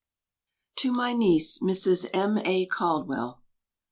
TO MY NIECE, MRS. M.A. CALDWELL.